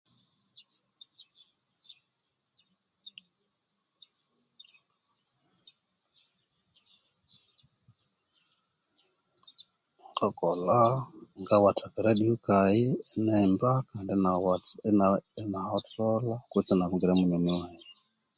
Wukakolha inimba inahotolha kutse inabungira munyonyi waghe